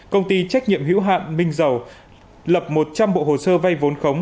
công ty trách nhiệm hữu hạn minh dầu lập một trăm linh bộ hồ sơ vay vốn khống